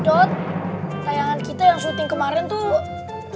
dot tayangan kita yang syuting kemarin tuh